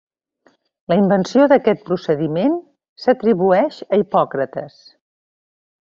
La invenció d'aquest procediment s'atribueix a Hipòcrates.